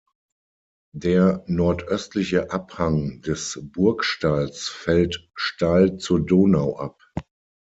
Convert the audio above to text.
Der nordöstliche Abhang des Burgstalls fällt steil zur Donau ab.